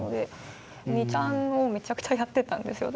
２ちゃんをめちゃくちゃやってたんですよ私。